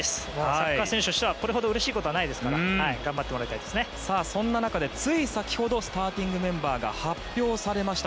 サッカー選手としてはこれほどうれしいことはないですからそんな中でつい先ほどスターティングメンバーが発表されました。